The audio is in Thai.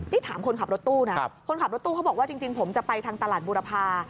นี่ถามคนขับรถตู้นะคนขับรถตู้เขาบอกว่าจริงผมจะไปทางตลาดบูรพา